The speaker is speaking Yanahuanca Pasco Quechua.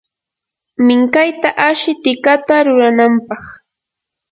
minkayta ashi tikata ruranampaq.